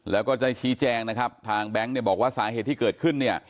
แล้วก็จะชี้แจ้งนะครับทางแบงค์บอกว่าสาเหตุที่เกิดขึ้น